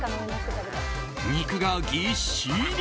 肉がぎっしり！